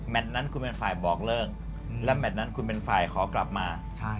มาทนั้นคุณเป็นฝ่ายบอกเลิกและขอกลับมา